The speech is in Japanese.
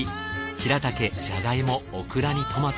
ヒラタケジャガイモオクラにトマト。